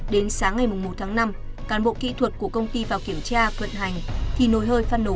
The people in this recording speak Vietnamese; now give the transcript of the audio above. đến sáng ngày một tháng năm cán bộ kỹ thuật của công ty vào kiểm tra vận hành thì nồi hơi phan nổ